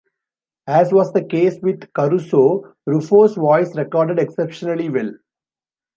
As was the case with Caruso, Ruffo's voice recorded exceptionally well.